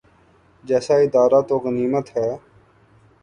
جیسا ادارہ تو غنیمت ہے۔